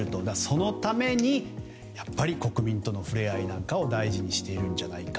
そのために、やっぱり国民との触れ合いなんかを大事にしているんじゃないかと。